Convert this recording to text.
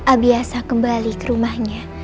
abiasa kembali ke rumahnya